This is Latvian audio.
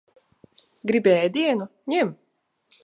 Gribi ēdienu? Ņem.